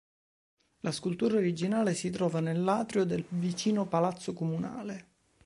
La scultura originale si trova nell'artio del vicino Palazzo Comunale.